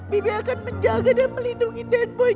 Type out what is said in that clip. bibi akan menjaga dan melindungi den boy